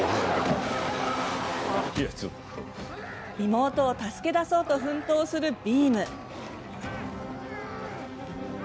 妹を助け出そうと奮闘するビーム。